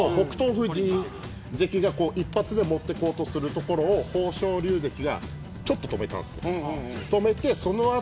富士関が一発でもっていこうとするところを豊昇龍関がちょっと止めたんです。